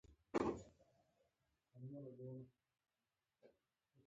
مریم منصف پارلمان ته بریالی شوې وه.